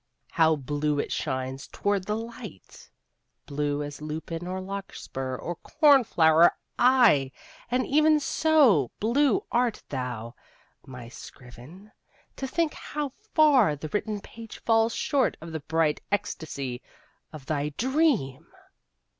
How blue it shines toward the light! Blue as lupin or larkspur, or cornflower aye, and even so blue art thou, my scriven, to think how far the written page falls short of the bright ecstasy of thy dream!